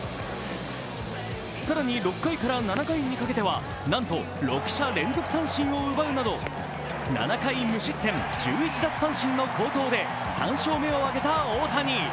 更に６回から７ににかけてはなんと６者連続三振を奪うなど７回無失点１１奪三振の好投で３勝目を挙げた大谷。